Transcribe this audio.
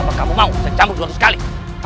apa kamu mau saya cambung dua terkali